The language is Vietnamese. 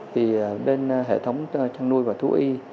thì bên hệ thống trang nuôi và thu y